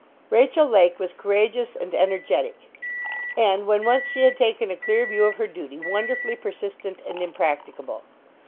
Rachel Lake was courageous and energetic; and, when once she had taken a clear view of her duty, wonderfully persistent and impracticable.